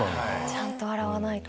ちゃんと洗わないと。